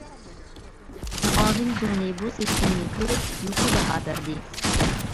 مۇئاۋىن زۇڭلى بۇ سىستېمىنى كۆرۈپ يۇقىرى باھا بەردى.